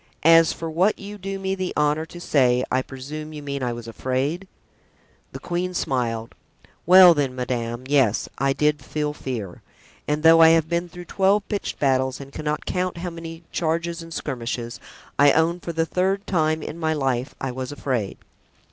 As for what you do me the honor to say, I presume you mean I was afraid?" The queen smiled. "Well, then, madame, yes, I did feel fear; and though I have been through twelve pitched battles and I cannot count how many charges and skirmishes, I own for the third time in my life I was afraid.